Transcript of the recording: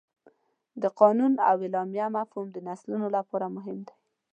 د قانون او اعلامیه مفهوم د نسلونو لپاره مهم دی.